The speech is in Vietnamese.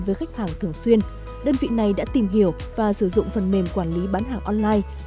với khách hàng thường xuyên đơn vị này đã tìm hiểu và sử dụng phần mềm quản lý bán hàng online